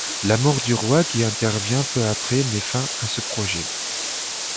La mort du roi, qui intervient peu après, met fin à ce projet.